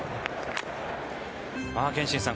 憲伸さん